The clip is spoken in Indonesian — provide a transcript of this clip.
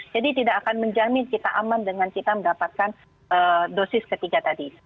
jadi tidak akan menjamin kita aman dengan kita mendapatkan dosis ketiga tadi